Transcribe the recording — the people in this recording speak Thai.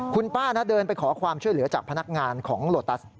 คุณป้านะเดินไปขอความช่วยเหลือจากพนักงานของโลตัส